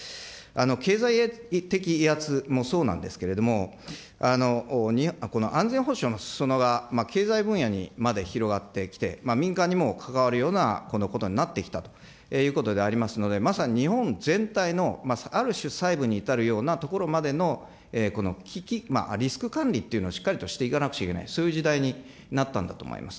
経済的威圧もそうなんですけれども、この安全保障のすそ野が経済分野にまで広がってきて、民間にも関わるようなことになってきたということでありますので、まさに今、日本全体のある種、細部に至るようなところまでの危機、リスク管理というのをしっかりとしていかなくちゃいけない、そういう時代になったんだと思います。